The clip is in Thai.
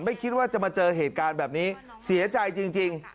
ไม่คิดว่าจะมาเจอเหตุการณ์แบบนี้เสียใจจริง